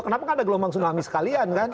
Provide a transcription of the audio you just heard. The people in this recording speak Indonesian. kenapa kan ada gelombang tsunami sekalian kan